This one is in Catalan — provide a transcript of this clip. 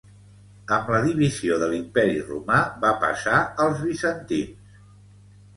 Amb la divisió de l'imperi romà va passar als bizantins.